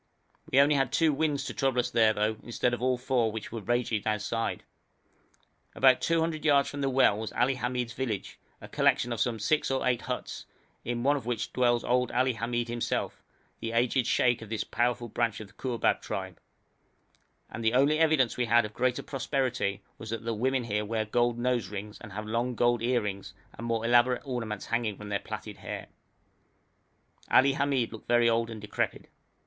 We had only two winds to trouble us there, though, instead of all four, which were raging outside. About 200 yards from the well was Ali Hamid's village, a collection of some six or eight huts, in one of which dwells old Ali Hamid himself, the aged sheikh of this powerful branch of the Kourbab tribe; and the only evidence that we had of greater prosperity was that the women here wear gold nose rings and have long gold earrings and more elaborate ornaments hanging from their plaited hair. Ali Hamid looked very old and decrepit.